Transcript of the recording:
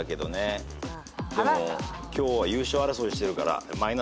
でも今日は優勝争いしてるから。